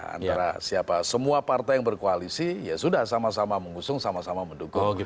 antara siapa semua partai yang berkoalisi ya sudah sama sama mengusung sama sama mendukung